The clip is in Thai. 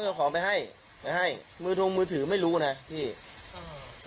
ใช่เก็บของไปให้ไปให้มือถือไม่รู้น่ะพี่อ่า